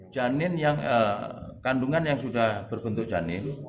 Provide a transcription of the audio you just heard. janin yang kandungan yang sudah berbentuk janin